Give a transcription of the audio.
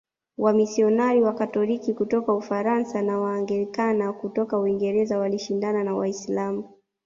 Wamisionari Wakatoliki kutoka Ufaransa na Waanglikana kutoka Uingereza walishindana na Waislamu